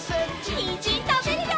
にんじんたべるよ！